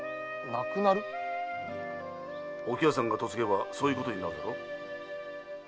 お喜和さんが嫁げばそういうことになるだろう？